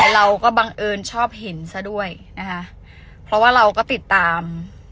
เราก็บังเอิญชอบเห็นซะด้วยนะคะเพราะว่าเราก็ติดตาม